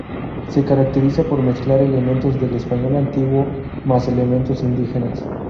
Se caracteriza por mezclar elementos del español antiguo más elementos indígenas.